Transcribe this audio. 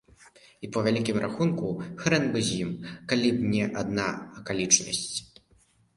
І, па вялікім рахунку, хрэн бы з ім, калі б не адна акалічнасць.